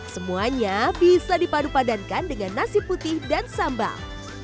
semuanya bisa dipadu padankan dengan nasi putih dan sambal